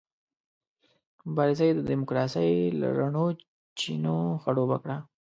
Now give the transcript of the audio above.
مبارزه یې د ډیموکراسۍ له رڼو چینو خړوبه کړه.